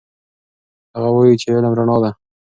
هغه وایي چې علم رڼا ده.